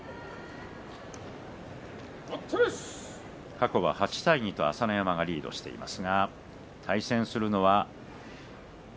過去は８対２と朝乃山がリードしています。